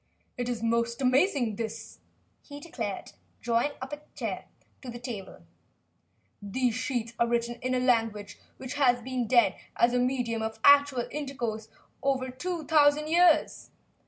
"It is most amazing, this," he declared, drawing a chair up to the table. "These sheets are written in a language which has been dead as a medium of actual intercourse for over two thousand years.